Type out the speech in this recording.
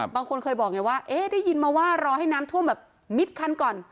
บางคนเคยบอกไงว่าเอ๊ะได้ยินมาว่ารอให้น้ำท่วมแบบมิดคันก่อน